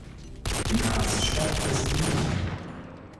Die Kreisstadt ist Eatonton.